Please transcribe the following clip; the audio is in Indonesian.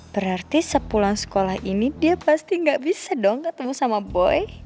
berarti sepulang sekolah ini dia pasti gak bisa dong ketemu sama boy